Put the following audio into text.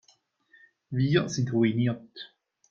Wir sind ruiniert.